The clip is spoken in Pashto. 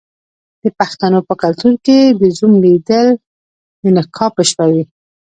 د پښتنو په کلتور کې د زوم لیدل د نکاح په شپه وي.